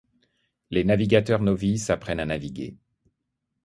les navigateurs novices apprennent à naviguer